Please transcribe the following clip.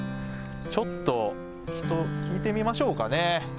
ちょっと人聞いてみましょうかね。